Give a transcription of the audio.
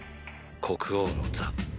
国王の座。